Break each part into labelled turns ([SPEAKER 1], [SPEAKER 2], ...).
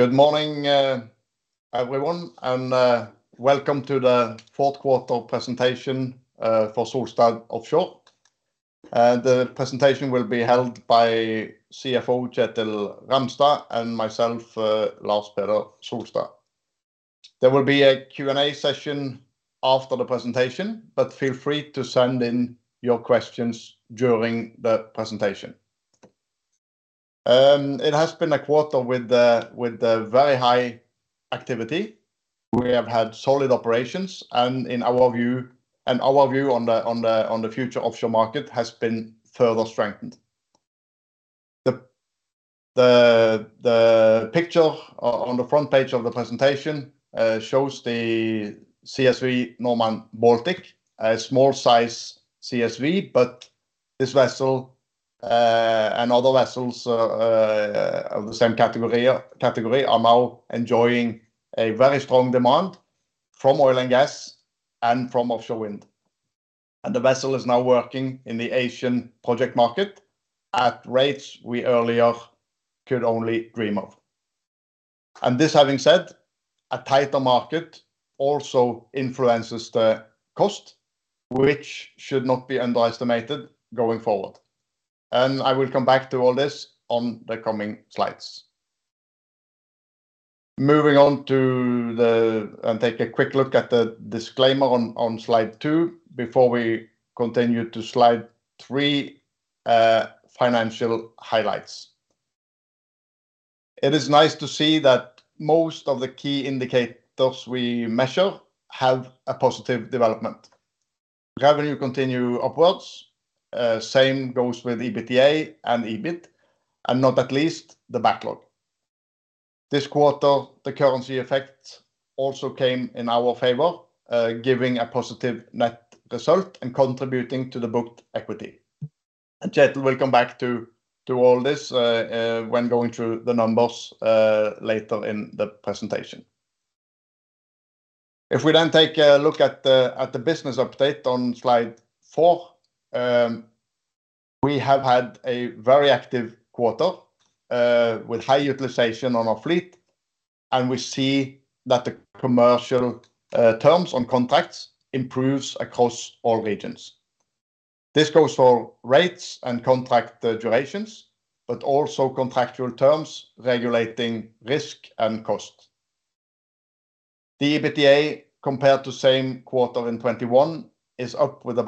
[SPEAKER 1] Good morning, everyone, and welcome to the fourth quarter presentation for Solstad Offshore. The presentation will be held by CFO Kjetil Ramstad and myself, Lars Peder Solstad. There will be a Q&A session after the presentation, but feel free to send in your questions during the presentation. It has been a quarter with the very high activity. We have had solid operations, and our view on the future offshore market has been further strengthened. The picture on the front page of the presentation shows the CSV Normand Baltic, a small size CSV, but this vessel and other vessels of the same category are now enjoying a very strong demand from oil and gas and from offshore wind. The vessel is now working in the Asian project market at rates we earlier could only dream of. This having said, a tighter market also influences the cost, which should not be underestimated going forward. I will come back to all this on the coming slides. Take a quick look at the disclaimer on Slide 2 before we continue to Slide 3, financial highlights. It is nice to see that most of the key indicators we measure have a positive development. Revenue continue upwards. Same goes with EBITDA and EBIT, and not at least the backlog. This quarter, the currency effect also came in our favor, giving a positive net result and contributing to the booked equity. Kjetil will come back to all this when going through the numbers later in the presentation. We then take a look at the business update on Slide 4, we have had a very active quarter, with high utilization on our fleet, and we see that the commercial terms on contracts improves across all regions. This goes for rates and contract durations, but also contractual terms regulating risk and cost. The EBITDA compared to same quarter in 2021 is up with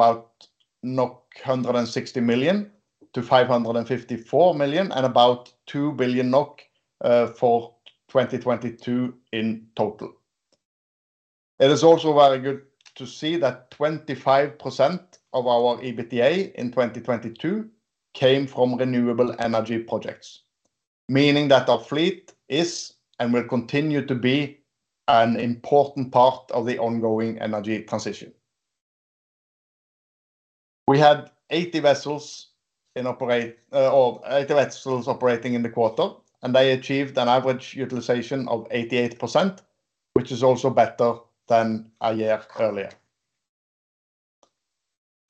[SPEAKER 1] about 160 million to 554 million, and about 2 billion NOK for 2022 in total. It is also very good to see that 25% of our EBITDA in 2022 came from renewable energy projects, meaning that our fleet is and will continue to be an important part of the ongoing energy transition. We had 80 vessels operating in the quarter. They achieved an average utilization of 88%, which is also better than a year earlier.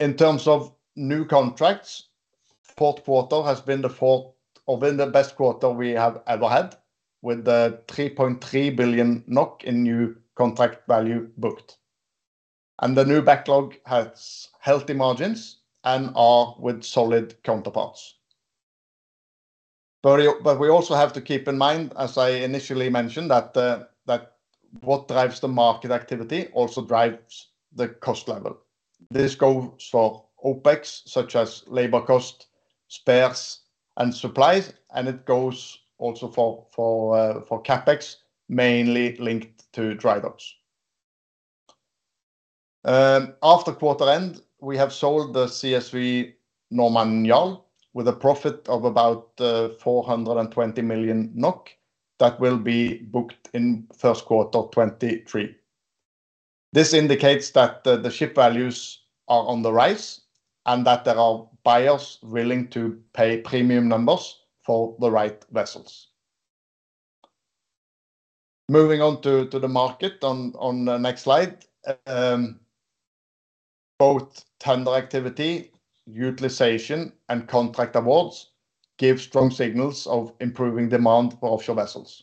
[SPEAKER 1] In terms of new contracts, fourth quarter has been the best quarter we have ever had with 3.3 billion NOK in new contract value booked. The new backlog has healthy margins and are with solid counterparts. We also have to keep in mind, as I initially mentioned, that what drives the market activity also drives the cost level. This goes for OpEx, such as labor cost, spares and supplies. It goes also for CapEx, mainly linked to dry docks. After quarter end, we have sold the CSV Normand Jarl with a profit of about 420 million NOK that will be booked in Q1 2023. This indicates that the ship values are on the rise and that there are buyers willing to pay premium numbers for the right vessels. Moving on to the market on the next slide. Both tender activity, utilization and contract awards give strong signals of improving demand for offshore vessels.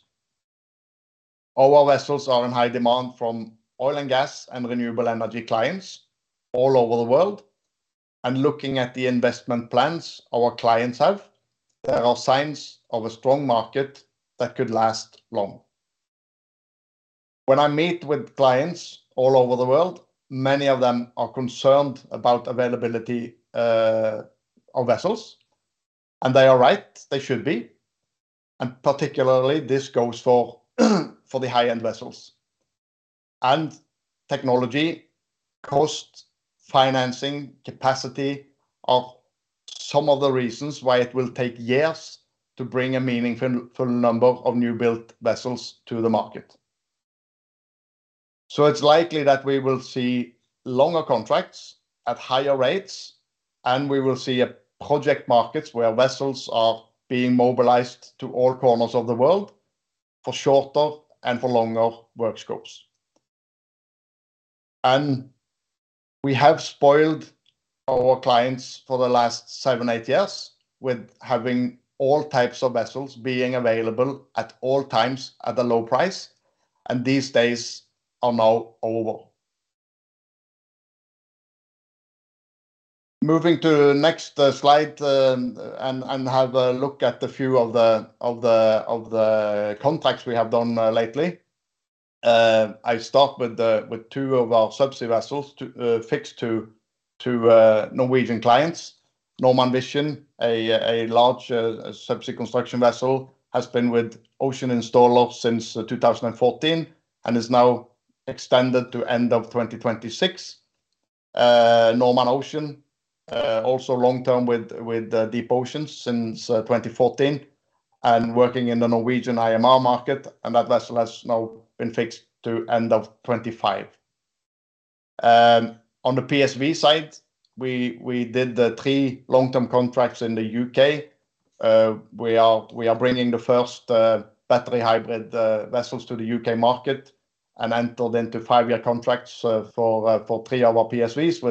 [SPEAKER 1] Our vessels are in high demand from oil and gas and renewable energy clients all over the world. Looking at the investment plans our clients have, there are signs of a strong market that could last long. When I meet with clients all over the world, many of them are concerned about availability of vessels, and they are right. They should be. Particularly this goes for the high-end vessels. Technology, cost, financing capacity are some of the reasons why it will take years to bring a meaningful number of new built vessels to the market. It's likely that we will see longer contracts at higher rates, and we will see a project markets where vessels are being mobilized to all corners of the world for shorter and for longer work scopes. We have spoiled our clients for the last seven, eight years with having all types of vessels being available at all times at a low price, and these days are now over. Moving to the next slide, and have a look at a few of the contracts we have done lately. I start with two of our subsea vessels fixed to Norwegian clients. Normand Vision, a large subsea construction vessel, has been with Ocean Installer since 2014 and is now extended to end of 2026. Normand Ocean, also long-term with DeepOcean since 2014 and working in the Norwegian IMR market, that vessel has now been fixed to end of 2025. On the PSV side, we did the three long-term contracts in the U.K. We are bringing the first battery hybrid vessels to the U.K. market and entered into five year contracts for three of our PSVs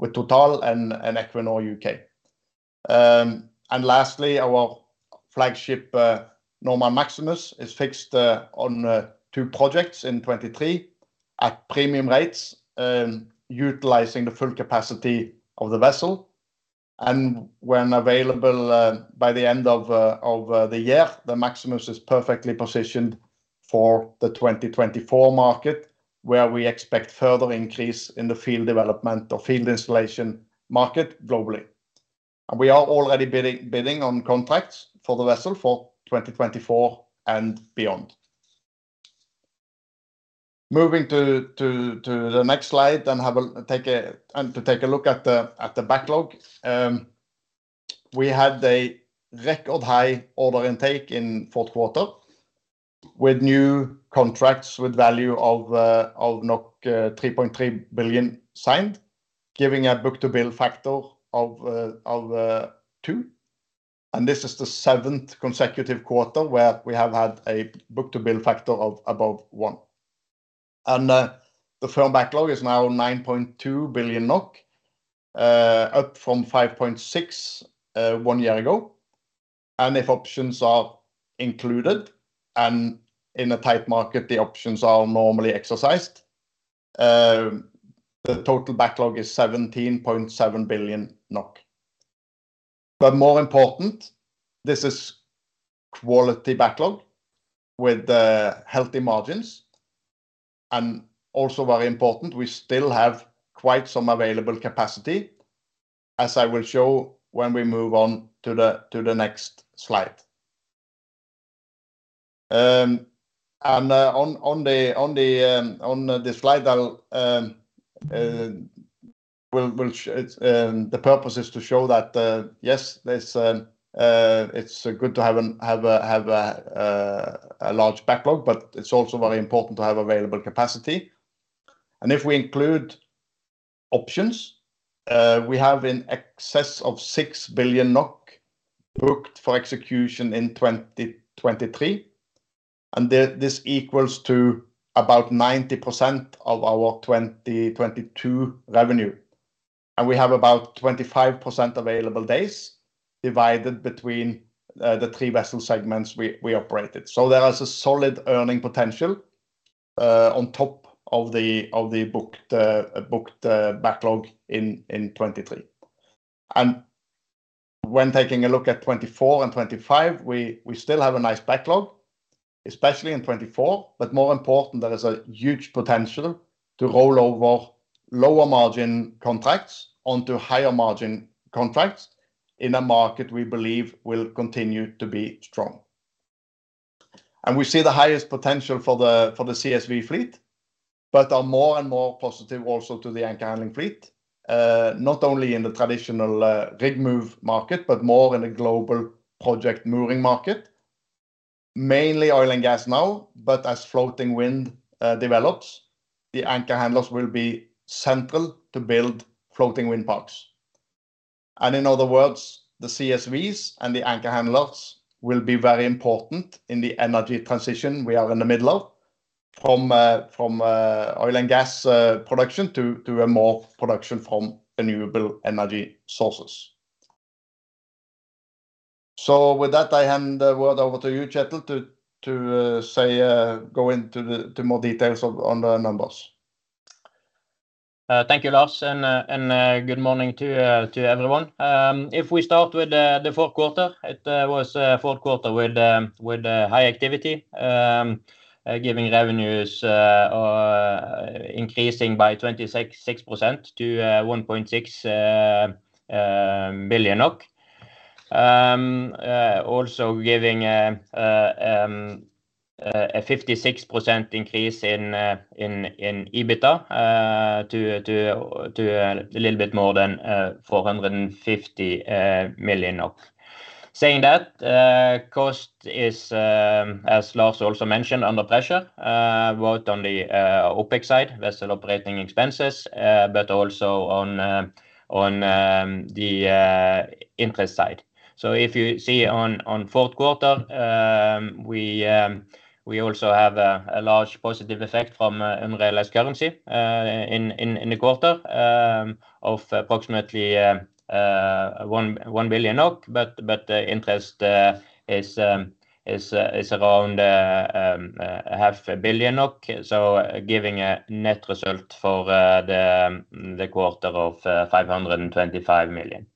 [SPEAKER 1] with Total and Equinor UK, Lastly, our flagship Normand Maximus is fixed on two projects in 2023 at premium rates, utilizing the full capacity of the vessel. When available, by the end of the year, the Maximus is perfectly positioned for the 2024 market, where we expect further increase in the field development or field installation market globally. We are already bidding on contracts for the vessel for 2024 and beyond. Moving to the next slide, to take a look at the backlog. We had a record high order intake in fourth quarter with new contracts with value of 3.3 billion signed, giving a book-to-bill factor of two. This is the seventh consecutive quarter where we have had a book-to-bill factor of above one. The firm backlog is now 9.2 billion NOK up from 5.6 one year ago. If options are included, and in a tight market, the options are normally exercised, the total backlog is 17.7 billion NOK. More important, this is quality backlog with healthy margins. Also very important, we still have quite some available capacity, as I will show when we move on to the next slide. On the slide, I'll we'll It's the purpose is to show that yes, there's it's good to have an, have a large backlog, but it's also very important to have available capacity. If we include options, we have in excess of 6 billion NOK booked for execution in 2023, and this equals to about 90% of our 2022 revenue. We have about 25% available days divided between the three vessel segments we operated. There is a solid earning potential on top of the booked backlog in 2023. When taking a look at 2024 and 2025, we still have a nice backlog, especially in 2024. More important, there is a huge potential to roll over lower margin contracts onto higher margin contracts in a market we believe will continue to be strong. We see the highest potential for the CSV fleet, but are more and more positive also to the anchor handling fleet. Not only in the traditional rig move market, but more in a global project mooring market. Mainly oil and gas now. As floating wind develops, the anchor handlers will be central to build floating wind parks. In other words, the CSVs and the anchor handlers will be very important in the energy transition we are in the middle of from oil and gas production to a more production from renewable energy sources. With that, I hand the word over to you, Kjetil, to say, go into the more details on the numbers.
[SPEAKER 2] Thank you, Lars, good morning to everyone. If we start with the fourth quarter, it was a fourth quarter with high activity, giving revenues increasing by 26.6% to 1.6 billion NOK. Also giving a 56% increase in EBITDA to a little bit more than 450 million. Saying that cost is as Lars also mentioned, under pressure, both on the OpEx side, vessel operating expenses, but also on the interest side. If you see on fourth quarter, we also have a large positive effect from unrealized currency in the quarter of approximately NOK 1 billion. The interest is around half a billion NOK, so giving a net result for the quarter of 525 million.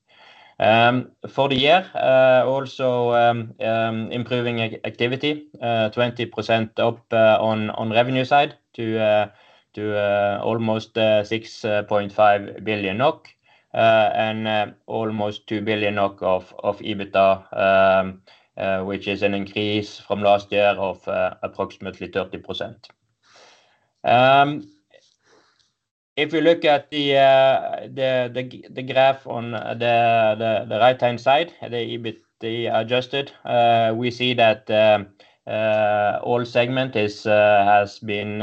[SPEAKER 2] For the year, also improving activity, 20% up on revenue side to almost 6.5 billion NOK, and almost 2 billion NOK of EBITDA, which is an increase from last year of approximately 30%. If you look at the graph on the right-hand side, the EBITDA adjusted, we see that all segment is has been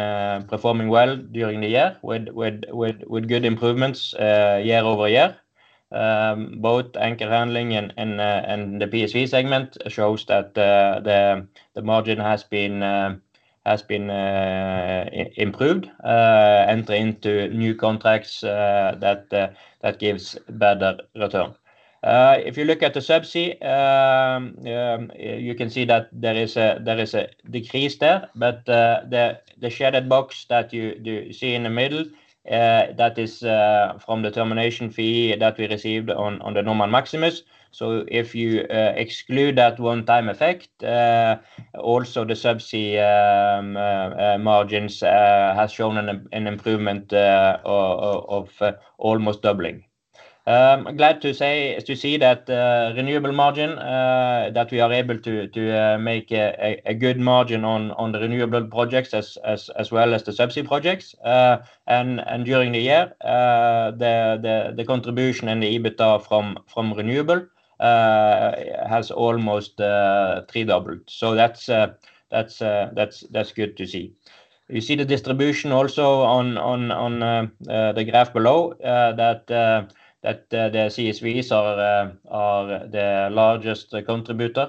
[SPEAKER 2] performing well during the year with good improvements year-over-year. Both anchor handling and the PSV segment shows that the margin has been improved, enter into new contracts that gives better return. If you look at the subsea, you can see that there is a decrease there. The shaded box that you see in the middle, that is from the termination fee that we received on the Normand Maximus. If you exclude that one time effect, also the subsea margins has shown an improvement of almost doubling. Glad to see that renewable margin that we are able to make a good margin on the renewable projects as well as the subsea projects. During the year, the contribution and the EBITDA from renewable has almost tripled. That's good to see. You see the distribution also on the graph below that the CSVs are the largest contributor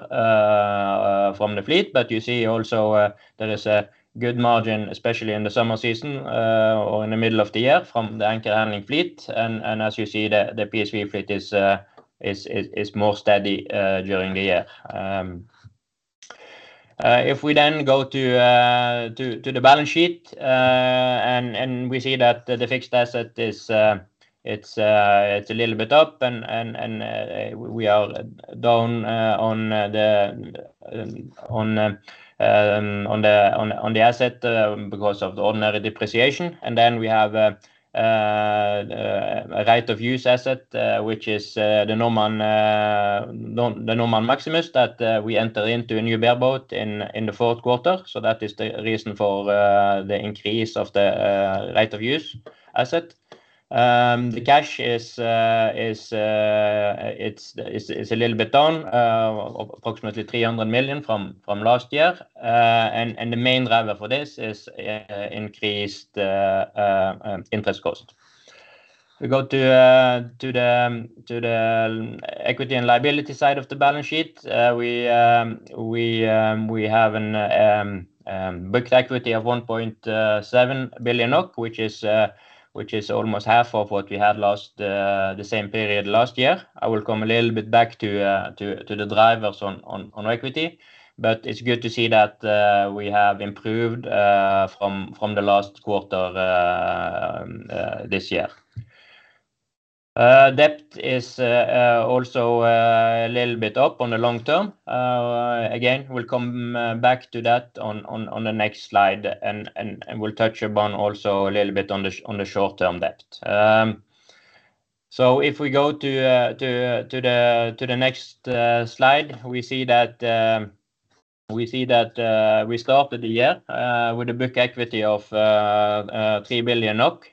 [SPEAKER 2] from the fleet. You see also, there is a good margin, especially in the summer season, or in the middle of the year from the anchor handling fleet. As you see the PSV fleet is more steady during the year. If we then go to the balance sheet, and we see that the fixed asset is, it's a little bit up and, we are down on the asset because of the ordinary depreciation. Then we have a right-of-use asset, which is the Normand Maximus that we enter into a new bareboat in the fourth quarter. That is the reason for the increase of the right-of-use asset. The cash it's a little bit down, approximately 300 million from last year. The main driver for this is increased interest cost. We go to the equity and liability side of the balance sheet. We have an booked equity of 1.7 billion, which is almost half of what we had last the same period last year. I will come a little bit back to the drivers on equity, but it's good to see that we have improved from the last quarter this year. Debt is also a little bit up on the long term. Again, we'll come back to that on the next slide and we'll touch upon also a little bit on the short-term debt. If we go to the next slide, we see that we started the year with a book equity of 3 billion NOK.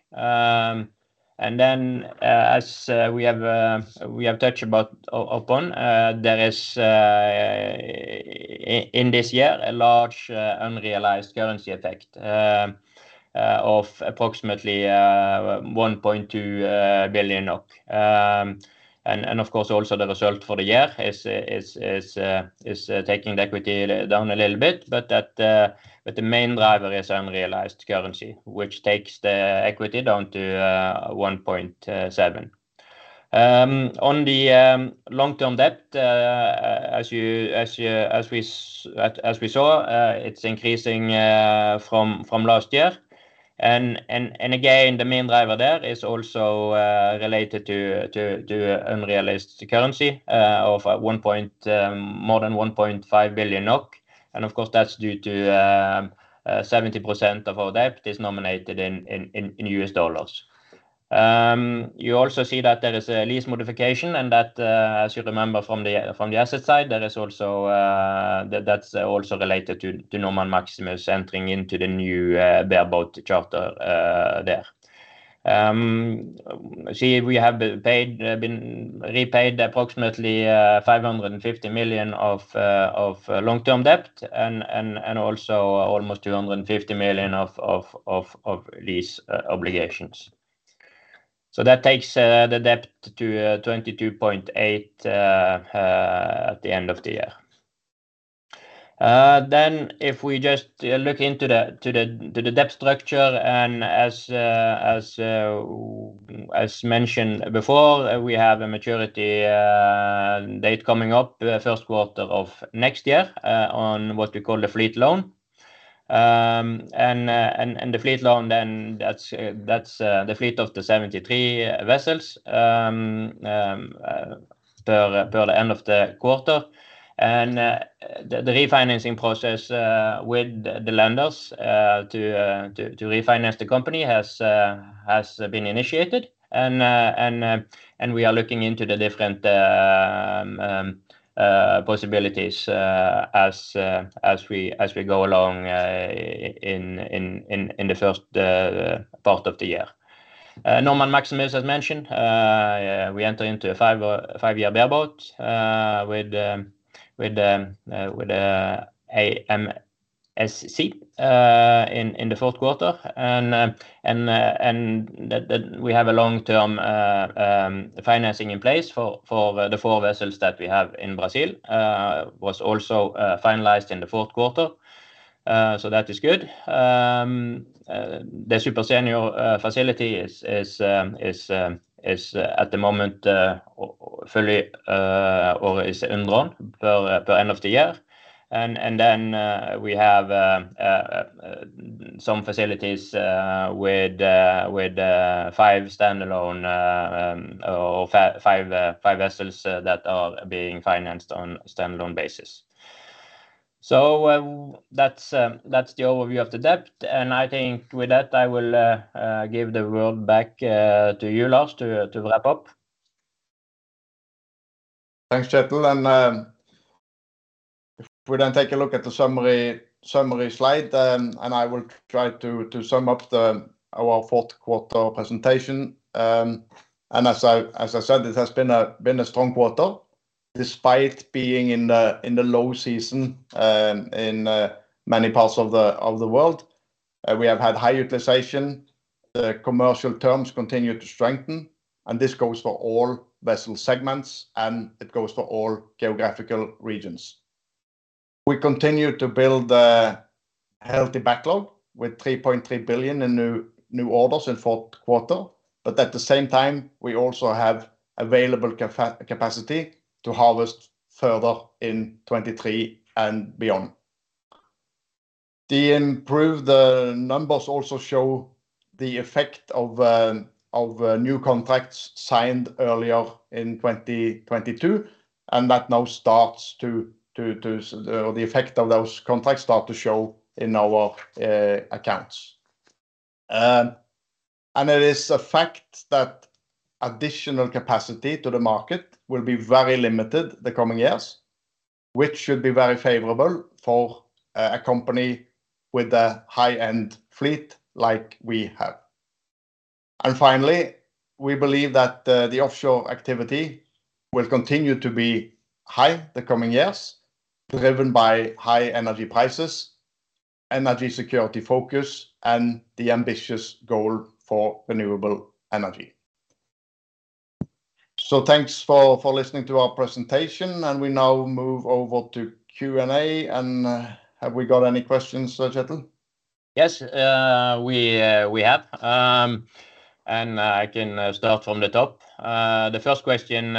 [SPEAKER 2] Then as we have touched upon, there is in this year a large unrealized currency effect of approximately 1.2 billion NOK. Of course, also the result for the year is taking the equity down a little bit. That, but the main driver is unrealized currency, which takes the equity down to 1.7. On the long-term debt, as you, as we saw, it's increasing from last year. Again, the main driver there is also related to unrealized currency of more than 1.5 billion NOK. Of course, that's due to 70% of our debt is nominated in US dollars. You also see that there is a lease modification and that, as you remember from the asset side, there is also, that's also related to Normand Maximus entering into the new bareboat charter there. See, we have been paid, been repaid approximately 550 million of long-term debt and also almost 250 million of lease obligations. That takes the debt to NOK 22.8 billion at the end of the year. If we just look into the debt structure and as mentioned before, we have a maturity date coming up first quarter of next year on what we call the fleet loan. The fleet loan then that's the fleet of the 73 vessels per the end of the quarter. The refinancing process with the lenders to refinance the company has been initiated. We are looking into the different possibilities as we go along in the first part of the year. Normand Maximus has mentioned, we enter into a five year bareboat with AMSC in the fourth quarter. That we have a long-term financing in place for the four vessels that we have in Brazil, was also finalized in the fourth quarter. That is good. The super senior facility is at the moment fully or is under loan per end of the year. Then, we have some facilities with five standalone or five vessels that are being financed on standalone basis. That's the overview of the debt. I think with that, I will give the world back to you, Lars, to wrap up.
[SPEAKER 1] Thanks, Kjetil. If we take a look at the summary slide, I will try to sum up our fourth quarter presentation. As I said, it has been a strong quarter, despite being in the low season in many parts of the world. We have had high utilization. The commercial terms continue to strengthen, and this goes for all vessel segments, and it goes for all geographical regions. We continue to build a healthy backlog with 3.3 billion in new orders in fourth quarter. At the same time, we also have available capacity to harvest further in 2023 and beyond. The improved numbers also show the effect of new contracts signed earlier in 2022 that now starts to... The effect of those contracts start to show in our accounts. It is a fact that additional capacity to the market will be very limited the coming years, which should be very favorable for a company with a high-end fleet like we have. Finally, we believe that the offshore activity will continue to be high the coming years, driven by high energy prices, energy security focus, and the ambitious goal for renewable energy. Thanks for listening to our presentation, and we now move over to Q&A. Have we got any questions, Kjetil?
[SPEAKER 2] Yes, we have. I can start from the top. The first question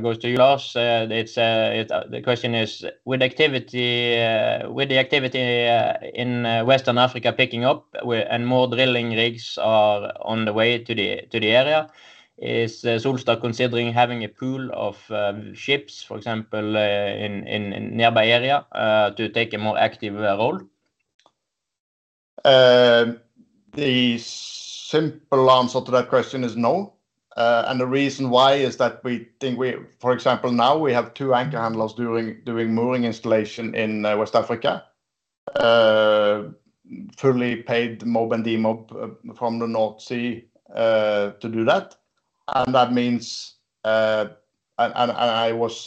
[SPEAKER 2] goes to you, Lars. The question is, with the activity in Western Africa picking up, more drilling rigs are on the way to the area, is Solstad considering having a pool of ships, for example, in a nearby area, to take a more active role?
[SPEAKER 1] The simple answer to that question is no. The reason why is that we think for example, now we have two anchor handlers doing mooring installation in West Africa, fully paid mob and demob from the North Sea, to do that. That means, and I was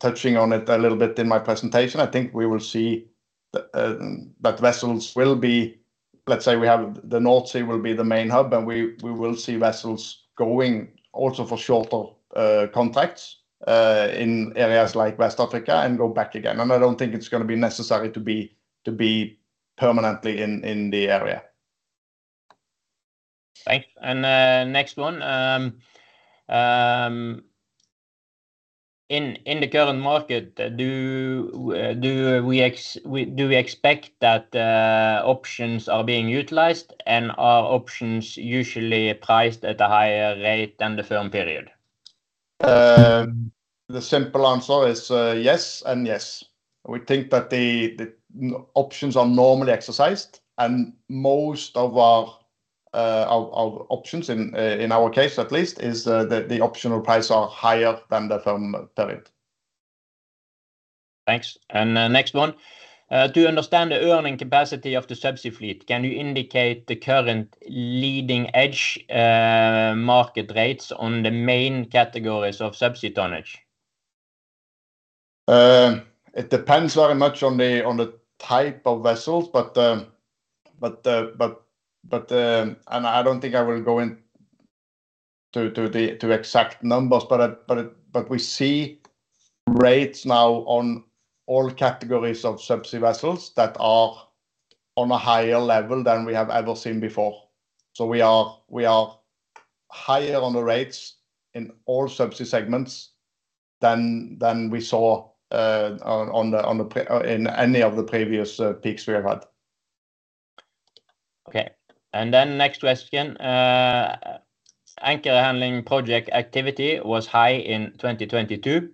[SPEAKER 1] touching on it a little bit in my presentation. I think we will see that vessels will be, let's say, we have the North Sea will be the main hub, and we will see vessels going also for shorter contracts in areas like West Africa and go back again. I don't think it's gonna be necessary to be permanently in the area.
[SPEAKER 2] Thanks. Next one, in the current market, do we expect that options are being utilized? Are options usually priced at a higher rate than the firm period?
[SPEAKER 1] The simple answer is, yes and yes. We think that the options are normally exercised. Most of our options in our case at least, is, the optional price are higher than the firm period.
[SPEAKER 2] Thanks. Next one. To understand the earning capacity of the subsea fleet, can you indicate the current leading edge, market rates on the main categories of subsea tonnage?
[SPEAKER 1] It depends very much on the type of vessels, but I don't think I will go in to the exact numbers, but we see rates now on all categories of subsea vessels that are on a higher level than we have ever seen before. We are higher on the rates in all subsea segments than we saw in any of the previous peaks we have had.
[SPEAKER 2] Okay. Next question. Anchor handling project activity was high in 2022,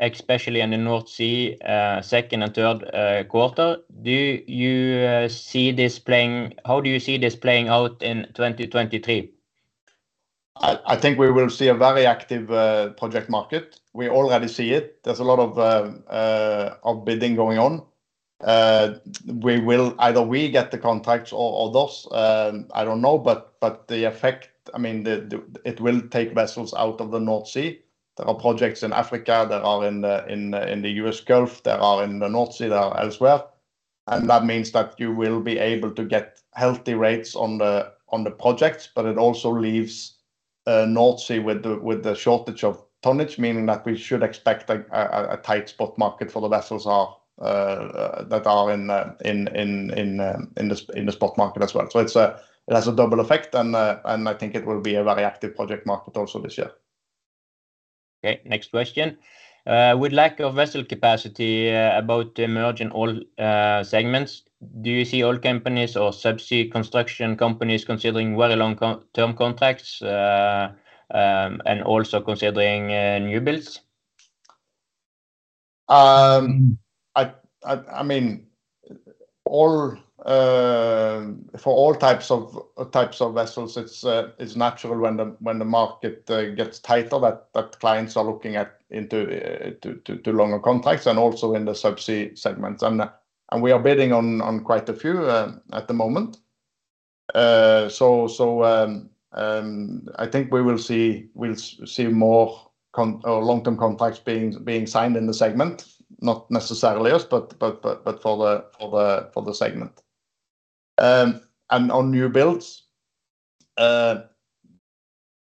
[SPEAKER 2] especially in the North Sea, 2nd and 3rd quarter. How do you see this playing out in 2023?
[SPEAKER 1] I think we will see a very active project market. We already see it. There's a lot of bidding going on. We will either re-get the contracts or those, I don't know. The effect, I mean, it will take vessels out of the North Sea. There are projects in Africa that are in the US Gulf, that are in the North Sea there as well, and that means that you will be able to get healthy rates on the projects. It also leaves North Sea with the shortage of tonnage, meaning that we should expect a tight spot market for the vessels are that are in the spot market as well. It's, it has a double effect and I think it will be a very active project market also this year.
[SPEAKER 2] Okay. Next question. With lack of vessel capacity, about to emerge in all segments, do you see oil companies or subsea construction companies considering very long co-term contracts, and also considering new builds?
[SPEAKER 1] Um, I, I, I mean, all, uh, for all types of, types of vessels, it's, uh, it's natural when the, when the market, uh, gets tighter, that, that clients are looking at, into, uh, to, to, to longer contracts and also in the subsea segments. And, uh, and we are bidding on, on quite a few, uh, at the moment. Uh, so, so, um, um, I think we will see, we'll see more con- or long-term contracts being, being signed in the segment, not necessarily us, but, but, but, but for the, for the, for the segment. Um, and on new builds, uh,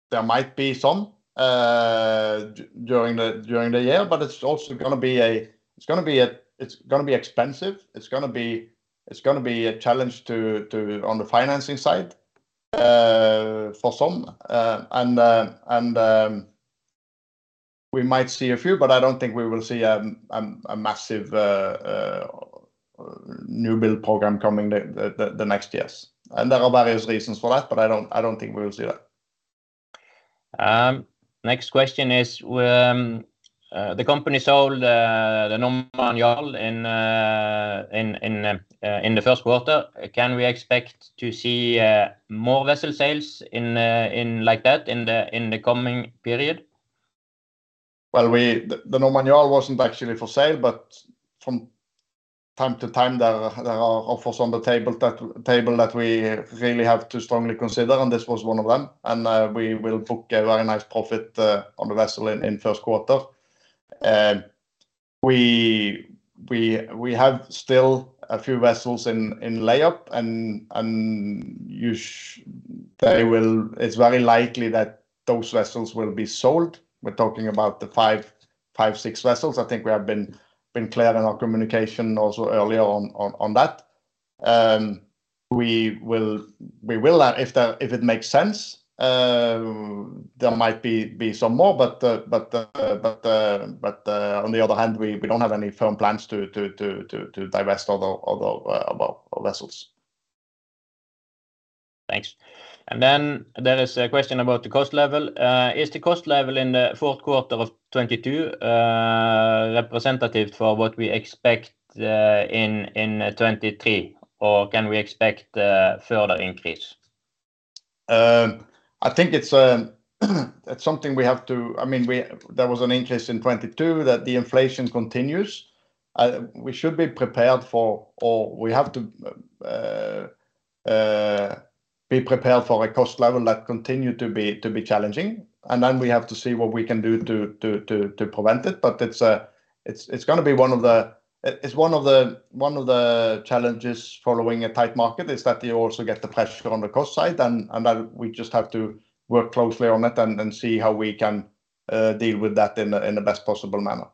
[SPEAKER 1] there might be some, uh, d-during the, during the year, but it's also gonna be a... It's gonna be a... It's gonna be expensive. It's gonna be, it's gonna be a challenge to, to... On the financing side, uh, for some. We might see a few, but I don't think we will see a massive new build program coming the next years. There are various reasons for that, but I don't think we will see that.
[SPEAKER 2] Next question is, the company sold the Normand Jarl in the first quarter. Can we expect to see more vessel sales in like that in the coming period?
[SPEAKER 1] Well, Normand Jarl wasn't actually for sale. From time to time, there are offers on the table that we really have to strongly consider. This was one of them. We will book a very nice profit on the vessel in first quarter. We have still a few vessels in lay up and they will. It's very likely that those vessels will be sold. We're talking about the five, six vessels. I think we have been clear in our communication also earlier on that. We will if it makes sense, there might be some more, but on the other hand, we don't have any firm plans to divest other vessels.
[SPEAKER 2] Thanks. There is a question about the cost level. Is the cost level in the fourth quarter of 2022 representative for what we expect in 2023, or can we expect a further increase?
[SPEAKER 1] I think it's something we have to. I mean, there was an increase in 2022 that the inflation continues. We should be prepared for or we have to be prepared for a cost level that continue to be challenging, and then we have to see what we can do to prevent it. It's gonna be one of the challenges following a tight market is that you also get the pressure on the cost side and that we just have to work closely on it and see how we can deal with that in the best possible manner.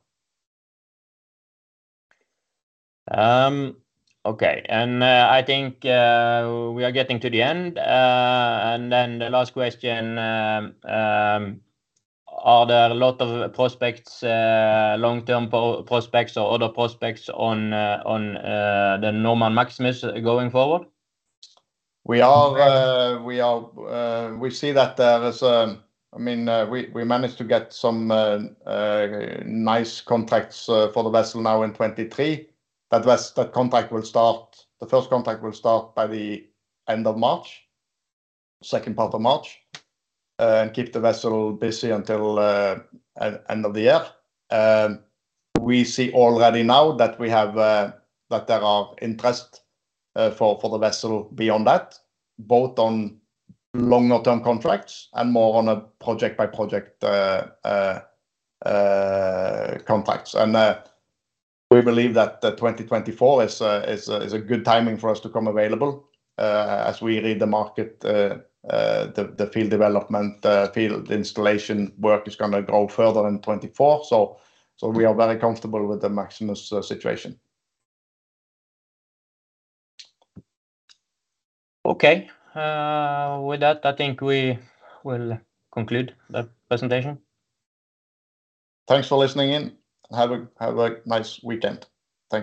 [SPEAKER 2] Okay. I think we are getting to the end. Then the last question, are there a lot of prospects, long-term prospects or other prospects on the Normand Maximus going forward?
[SPEAKER 1] We are, we see that there is, I mean, we managed to get some nice contracts for the vessel now in 2023. That contract will start, the first contract will start by the end of March, second part of March, and keep the vessel busy until end of the year. We see already now that we have that there are interest for the vessel beyond that, both on longer term contracts and more on a project by project contracts. We believe that 2024 is a good timing for us to come available. As we read the market, the field development, field installation work is gonna grow further in 2024, so we are very comfortable with the Maximus situation.
[SPEAKER 2] Okay. With that, I think we will conclude the presentation.
[SPEAKER 1] Thanks for listening in, and have a nice weekend. Thank you.